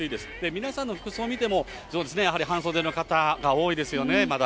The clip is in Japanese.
皆さんの服装を見ても、そうですね、やはり半袖の方が多いですよね、まだ。